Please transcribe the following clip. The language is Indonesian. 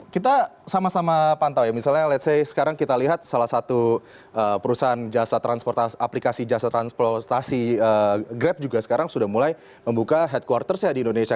kita sama sama pantau ya misalnya ⁇ lets ⁇ say sekarang kita lihat salah satu perusahaan jasa aplikasi jasa transportasi grab juga sekarang sudah mulai membuka headquarters ya di indonesia